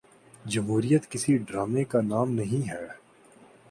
جمہوریت کسی ڈرامے کا نام نہیں ہے۔